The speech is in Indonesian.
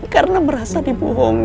karena merasa dibohongi